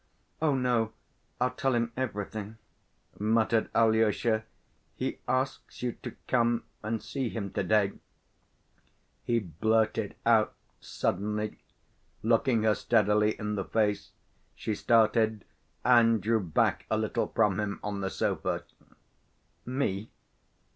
"Oh, no. I'll tell him everything," muttered Alyosha. "He asks you to come and see him to‐day," he blurted out suddenly, looking her steadily in the face. She started, and drew back a little from him on the sofa. "Me?